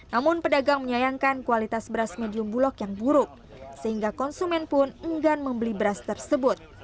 namun pedagang menyayangkan kualitas beras medium bulog yang buruk sehingga konsumen pun enggan membeli beras tersebut